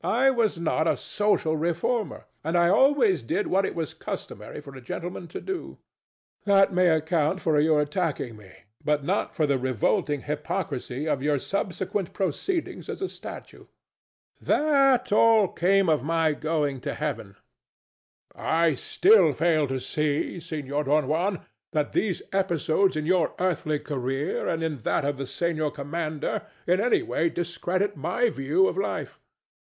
I was not a social reformer; and I always did what it was customary for a gentleman to do. DON JUAN. That may account for your attacking me, but not for the revolting hypocrisy of your subsequent proceedings as a statue. THE STATUE. That all came of my going to Heaven. THE DEVIL. I still fail to see, Senor Don Juan, that these episodes in your earthly career and in that of the Senor Commander in any way discredit my view of life.